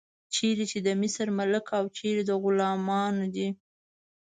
چیرې د مصر ملک او چیرې د غلامانو دی.